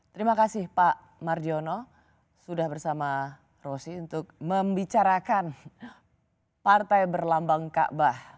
terima kasih pak marjono sudah bersama rosi untuk membicarakan partai berlambang kaabah